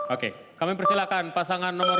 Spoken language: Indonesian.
oke kami persilakan pasangan nomor dua